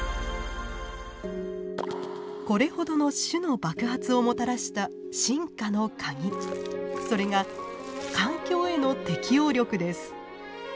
これほどの種の爆発をもたらした進化のカギそれが環境への適応力です。